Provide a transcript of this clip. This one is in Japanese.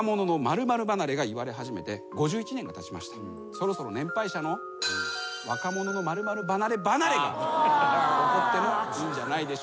そろそろ年配者の「若者の○○離れ」離れが起こってもいいんじゃないでしょうか？